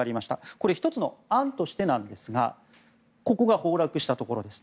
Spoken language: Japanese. これ、１つの案としてなんですがここが崩落したところです。